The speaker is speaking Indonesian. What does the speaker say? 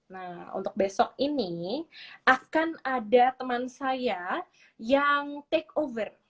nah untuk besok ini akan ada teman saya yang take over